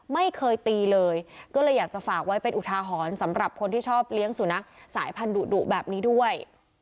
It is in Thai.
ไม่เคยตีเลยก็เลยอยากจะฝากไว้เป็นอุทาหรณ์สำหรับคนที่ชอบเลี้ยงสุนัขสายพันธุดุแบบนี้ด้วย